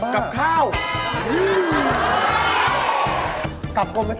กลับข้าวกลับกลมไปดี